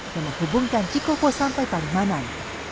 dan menghubungkan cikopo sampai pari manan